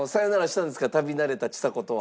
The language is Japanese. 旅慣れたちさ子とは。